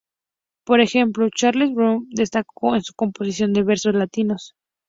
Por ejemplo, Charles Baudelaire destacó en su composición de versos latinos.